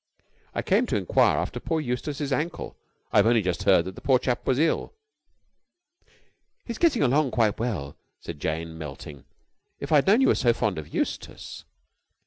"I came to enquire after poor Eustace's ankle. I've only just heard that the poor chap was ill." "He's getting along quite well," said Jane, melting. "If I had known you were so fond of Eustace...."